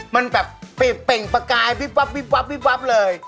มันแบบเปลี่ยนเปลี่ยนประกายวิบวับเลย